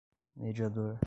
mediador